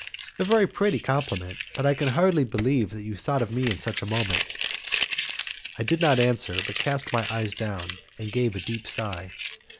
"A very pretty compliment, but I can hardly believe that you thought of me in such a moment." I did not answer, but cast my eyes down, and gave a deep sigh.